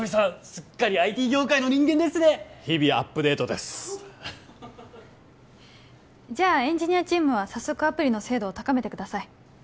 すっかりＩＴ業界の人間ですね日々アップデートですじゃあエンジニアチームは早速アプリの精度を高めてください